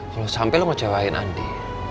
kalau sampel lo ngecewain andi